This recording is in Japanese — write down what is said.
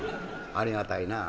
「ありがたいなぁ。